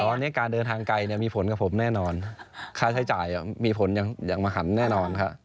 ตอนนี้การเดินทางไกลมีผลกับผมแน่นอนค่าใช้จ่ายมีผลอย่างมหันแน่นอนครับ